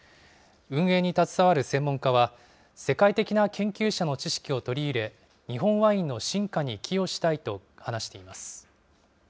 運営に携わる専門家は、世界的な研究者の知識を取り入れ、日本ワインの進化に寄与したいと話しています。